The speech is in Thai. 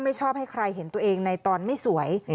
ชอบให้ใครเห็นตัวเองในตอนไม่สวย